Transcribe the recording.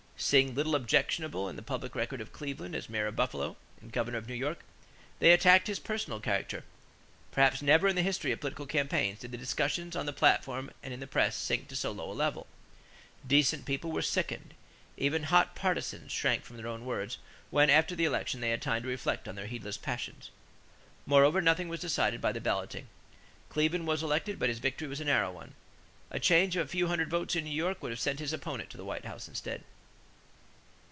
Seeing little objectionable in the public record of Cleveland as mayor of Buffalo and governor of New York, they attacked his personal character. Perhaps never in the history of political campaigns did the discussions on the platform and in the press sink to so low a level. Decent people were sickened. Even hot partisans shrank from their own words when, after the election, they had time to reflect on their heedless passions. Moreover, nothing was decided by the balloting. Cleveland was elected, but his victory was a narrow one. A change of a few hundred votes in New York would have sent his opponent to the White House instead.